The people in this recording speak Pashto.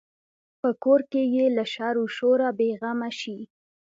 په کور کې یې له شر و شوره بې غمه شي.